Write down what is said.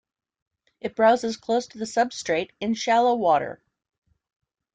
It browses close to the substrate in shallow water.